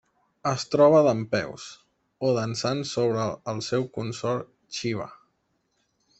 Es troba dempeus, o dansant sobre el seu consort Xiva.